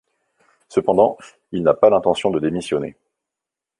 Cependant, il n'a pas l'intention de démissionner.